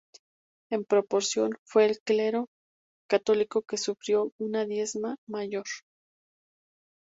En proporción, fue el clero católico el que sufrió una diezma mayor.